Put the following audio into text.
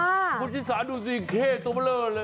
โอ้โหชิคกี้พายดูสิเข้ตัวเบลอเลย